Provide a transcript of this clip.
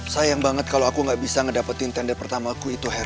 sayang banget kalo aku gak bisa ngedapetin tender pertama aku itu her